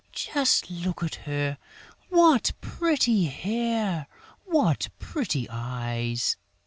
Just look at her! What pretty hair, what pretty eyes!"